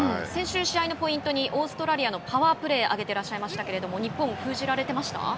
先週試合のポイントにオーストラリアのパワープレーを挙げてらっしゃいましたけど日本、封じられてました？